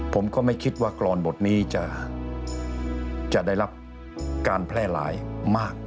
ผมก็ไม่คิดว่ากรอนบทนี้จะได้รับการแพร่หลายมาก